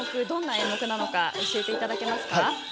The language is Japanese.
どんな演目なのか教えていただけますか？